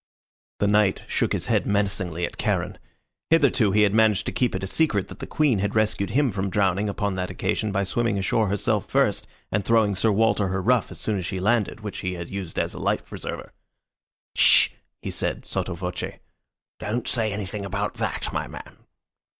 The knight shook his head menacingly at Charon. Hitherto he had managed to keep it a secret that the Queen had rescued him from drowning upon that occasion by swimming ashore herself first and throwing Sir Walter her ruff as soon as she landed, which he had used as a life preserver. "'Sh!" he said, sotto voce. "Don't say anything about that, my man."